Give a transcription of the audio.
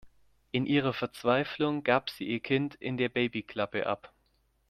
In ihrer Verzweiflung gab sie ihr Kind in der Babyklappe ab.